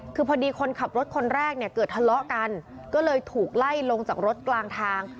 คือพอดีคนขับรถคนแรกเนี่ยเกิดทะเลาะกันก็เลยถูกไล่ลงจากรถกลางทาง